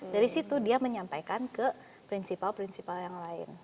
dari situ dia menyampaikan ke prinsipal prinsipal yang lain